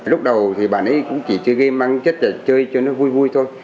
lúc đầu thì bạn ấy cũng chỉ chơi game mang chất để chơi cho nó vui vui thôi